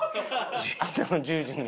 朝の１０時に。